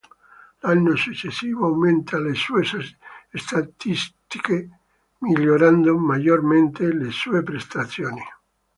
L'anno successivo aumenta le sue statistiche, migliorando maggiormente le sue prestazioni.